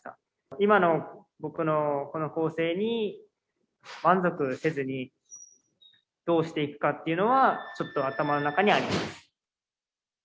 今の僕のこの構成に満足せずに、どうしていくかというのは、ちょっと頭の中にあります。